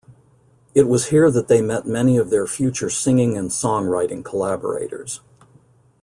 It was here that they met many of their future singing and songwriting collaborators.